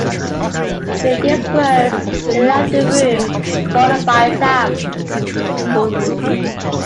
With these words he left the room, followed by Sam.